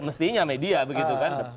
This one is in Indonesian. mestinya media begitu kan